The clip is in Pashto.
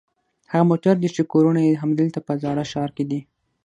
هغه موټر دي چې کورونه یې همدلته په زاړه ښار کې دي.